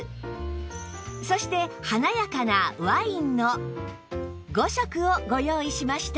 そして華やかなワインの５色をご用意しました